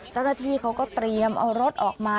เจ้าหน้าที่เขาก็เตรียมเอารถออกมา